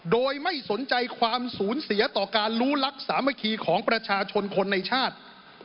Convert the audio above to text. โดยไม่สนใจความสูญเสียต่อการรู้รักสามัคคีของประชาชนคนในชาติ